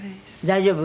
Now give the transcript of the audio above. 大丈夫？